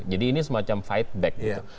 jadi ini semacam fight back gitu